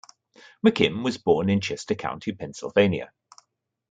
McKim was born in Chester County, Pennsylvania.